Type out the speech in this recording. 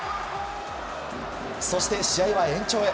そして、試合は延長へ。